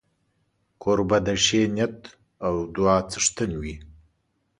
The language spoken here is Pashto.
کوربه د ښې نیت او دعا څښتن وي.